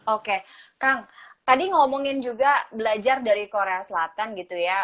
oke kang tadi ngomongin juga belajar dari korea selatan gitu ya